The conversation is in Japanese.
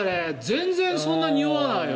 全然そんなにおわないよ。